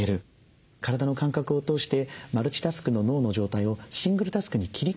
体の感覚を通してマルチタスクの脳の状態をシングルタスクに切り替える。